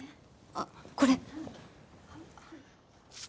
あっこれ。